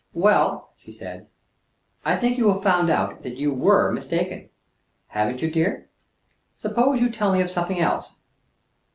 "Well," she said, "I think you have found out that you were mistaken, haven't you, dear? Suppose you tell me of something else."